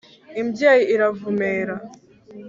imbyeyi iravumera